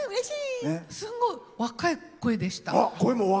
すごい若い声でした。